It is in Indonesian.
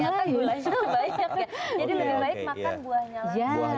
jadi lebih baik makan buahnya lagi